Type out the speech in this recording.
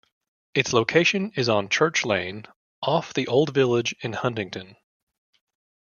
Its location is on Church Lane, off the Old Village in Huntington.